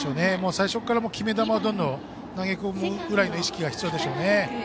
最初から決め球を投げ込むぐらいの意識が必要でしょうね。